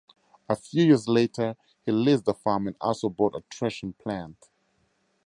A few years later he leased a farm and also bought a threshing plant.